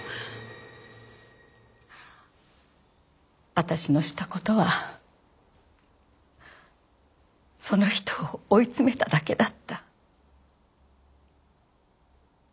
私のした事はその人を追い詰めただけだった。